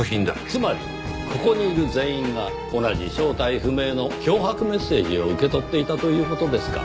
つまりここにいる全員が同じ正体不明の脅迫メッセージを受け取っていたという事ですか。